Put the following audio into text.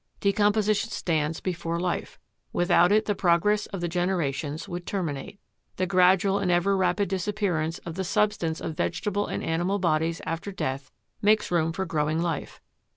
Decomposition stands before life; without it the progress of the generations would terminate. The gradual and ever rapid disappearance of the substance of vegetable and animal bodies after death makes room for growing life.